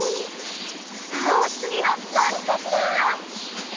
さあつぎはなにかしら？